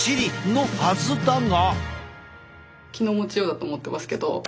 のはずだが。